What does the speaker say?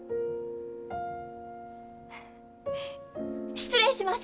失礼します！